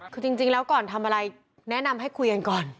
คือจริงแล้วก่อนทำอะไรแนะนำให้คุยกันก่อน